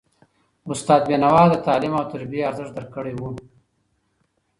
استاد بینوا د تعلیم او تربیې ارزښت درک کړی و.